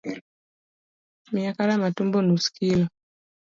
Miya kare matumbo nus kilo